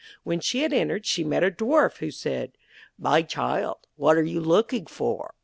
When she had entered, she met a Dwarf, who said: 'My child, what are you looking for?'